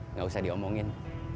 enggak usah diomongin